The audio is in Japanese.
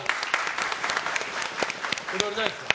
こだわりないですか。